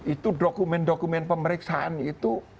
itu dokumen dokumen pemeriksaan itu